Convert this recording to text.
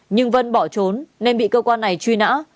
nhưng vân bỏ trốn nên bị cơ quan này truy nã